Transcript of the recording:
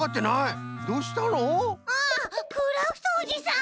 あクラフトおじさん！